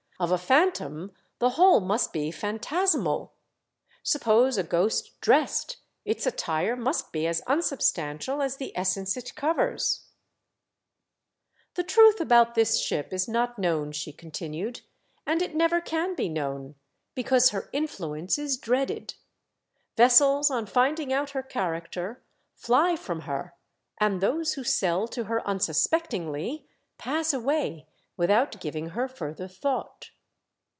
" Of a Phantom the whole must be phantasmal. Suppose a ghost dressed, its attire must be as unsubstantial as the essence it covers." IMOGENE AND I ARE MUCH TOGETHER. 1 95 " The truth about this ship Is not known," she continued, " and it never can be known, because her influence is dreaded. Vessels on finding out her character fly from her, and those who sell to her unsuspectingly pass away without giving her further thought."